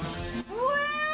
うわ！